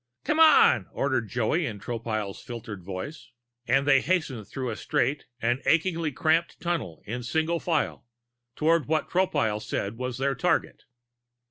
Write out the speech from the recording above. "Come on!" ordered Joey in Tropile's filtered voice, and they hastened through a straight and achingly cramped tunnel in single file, toward what Tropile had said was their target.